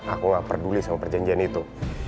aku nggak peduli sama perjanjian itu